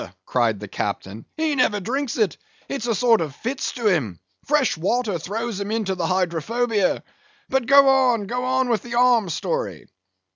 cried the captain; "he never drinks it; it's a sort of fits to him; fresh water throws him into the hydrophobia; but go on—go on with the arm story."